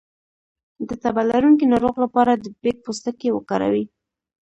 د تبه لرونکي ناروغ لپاره د بید پوستکی وکاروئ